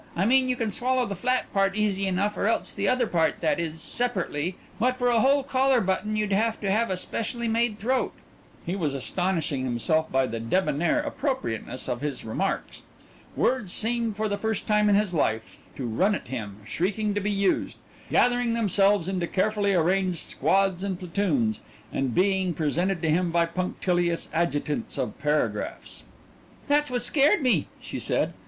I mean you can swallow the flat part easy enough or else the other part that is, separately but for a whole collar button you'd have to have a specially made throat." He was astonishing himself by the debonnaire appropriateness of his remarks. Words seemed for the first time in his life to run at him shrieking to be used, gathering themselves into carefully arranged squads and platoons, and being presented to him by punctilious adjutants of paragraphs. "That's what scared me," she said.